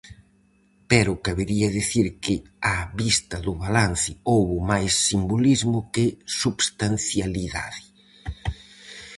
Pero cabería dicir que á vista do balance houbo máis simbolismo que substancialidade.